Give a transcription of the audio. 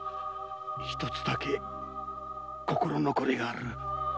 一つだけ心残りがある。